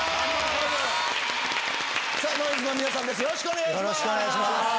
よろしくお願いします！